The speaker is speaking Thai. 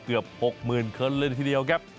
เกือบหกหมื่นคนเลยทีเดียวครับ